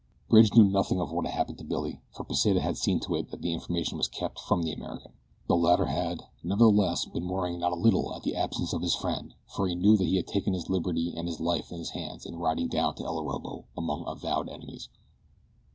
Bridge knew nothing of what had happened to Billy, for Pesita had seen to it that the information was kept from the American. The latter had, nevertheless, been worrying not a little at the absence of his friend for he knew that he had taken his liberty and his life in his hands in riding down to El Orobo among avowed enemies.